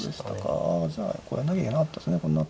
あじゃあこうやんなきゃいけなかったですね。